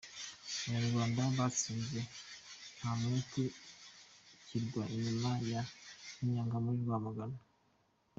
Abanyarwanda batsinze Ntamwete i Kirwa inyuma ya Munyaga muri Rwamagana.